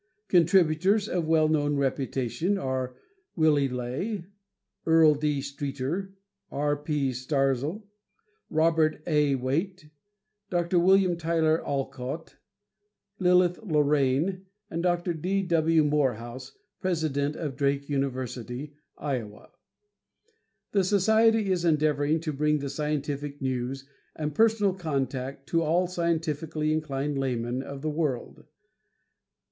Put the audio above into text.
Contributors of well known reputation are: Willy Ley, Earl D. Streeter, R. P. Starzl, Robt. A. Wait, Dr. Wm. Tyler Olcott, Lilith Lorraine and Dr. D. W. Morehouse, president of Drake University, Iowa. This society is endeavoring to bring the scientific news and personal contact to all scientifically inclined laymen of the world.